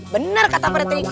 bener kata pak rete